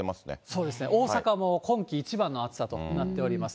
そうですね、大阪も今季一番の暑さとなっております。